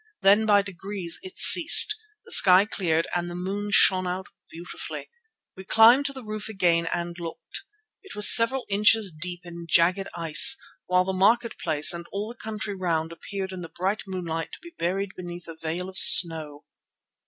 Then by degrees it ceased, the sky cleared and the moon shone out beautifully. We climbed to the roof again and looked. It was several inches deep in jagged ice, while the market place and all the country round appeared in the bright moonlight to be buried beneath a veil of snow.